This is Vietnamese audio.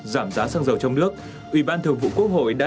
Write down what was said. việc giá xăng dầu tăng cao đã gây áp lực lớn nên chi phí sẵn